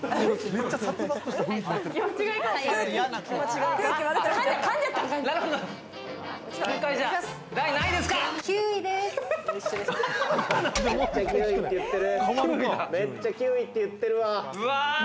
めっちゃ９位って言ってる。